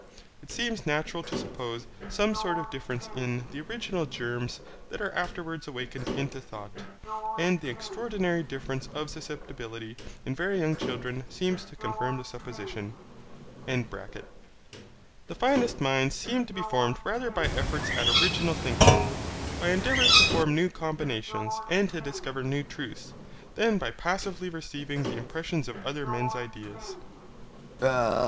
It seems natural to suppose some sort of difference in the original germs that are afterwards awakened into thought, and the extraordinary difference of susceptibility in very young children seems to confirm the supposition.) The finest minds seem to be formed rather by efforts at original thinking, by endeavours to form new combinations, and to discover new truths, than by passively receiving the impressions of other men's ideas.